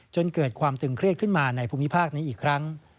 จนเกิดความตึงเครียดขึ้นมาในภูมิภาคนี้อีกครั้ง